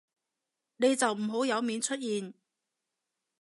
你就唔好有面出現